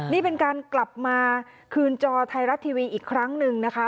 นี่เป็นการกลับมาคืนจอไทยรัฐทีวีอีกครั้งหนึ่งนะคะ